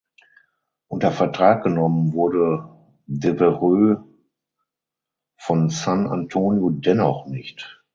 Unter Vertrag genommen wurde Devereaux von San Antonio dennoch nicht.